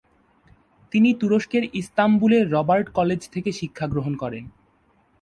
তিনি তুরস্কের ইস্তাম্বুলের Robert college থেকে শিক্ষা গ্রহণ করেন।